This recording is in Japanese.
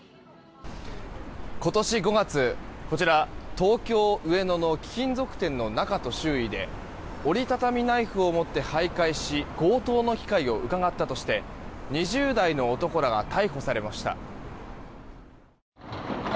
今年５月、東京・上野の貴金属店の中と周囲で折り畳みナイフを持って徘徊し強盗の機会をうかがったとして２０代の男らが逮捕されました。